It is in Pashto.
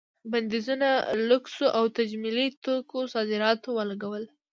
بندیزونو لوکسو او تجملي توکو صادراتو ولګول.